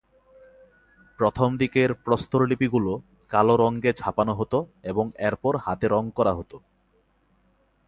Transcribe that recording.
প্রথম দিকের প্রস্তরলিপিগুলো কালো রঙে ছাপানো হতো এবং এরপর হাতে রং করা হতো।